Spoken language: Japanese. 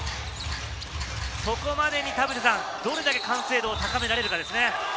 そこまでにどれだけ完成度を高められるかですね。